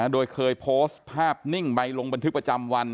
โดยเคยโพสต์ภาพนิ่งใบลงบันทึกประจำวัน